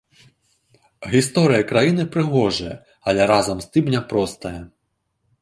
Гісторыя краіны прыгожая, але разам з тым няпростая.